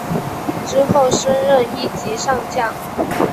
之后升任一级上将。